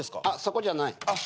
あっそこじゃない。